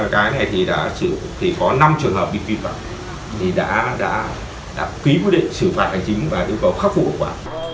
trong cái này thì có năm trường hợp bị vi phạm thì đã ký quyết định xử phạt hành chính và yêu cầu khắc phục vọng quả